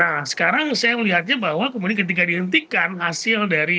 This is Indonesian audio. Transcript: nah sekarang saya melihatnya bahwa kemudian ketika dihentikan hasil dari